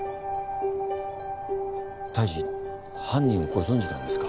大臣犯人をご存じなんですか？